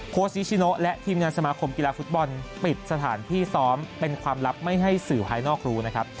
นิชิโนและทีมงานสมาคมกีฬาฟุตบอลปิดสถานที่ซ้อมเป็นความลับไม่ให้สื่อภายนอกรู้นะครับ